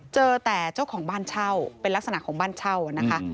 เจอแต่เจ้าของบ้านเช่าเป็นลักษณะของบ้านเช่านะคะ